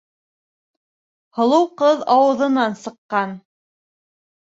- Һылыу ҡыҙ ауыҙынан сыҡҡан